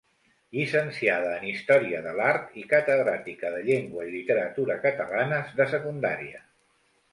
Llicenciada en història de l'art i catedràtica de llengua i literatura catalanes de secundària.